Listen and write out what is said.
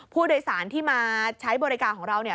ผู้โดยสารที่มาใช้บริการของเราเนี่ย